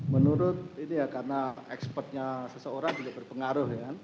menurut ini ya karena ekspertnya seseorang juga berpengaruh ya kan